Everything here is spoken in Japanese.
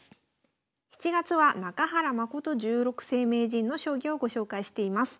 ７月は中原誠十六世名人の将棋をご紹介しています。